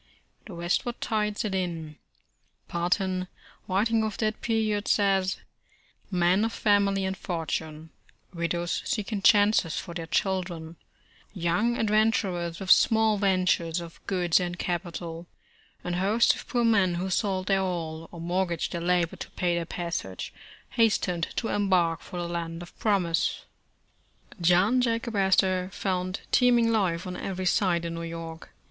The westward tide set in. Parton, writing of that period, says :'' Men of family and fortune ; widows seeking chances for their children; young adventurers with small 'ventures' of goods and capital; and hosts of poor men who sold their all, or mortgaged their labor to pay their passage, hastened to embark for the land of promise." John Jacob Astor found teeming life on every side in New York.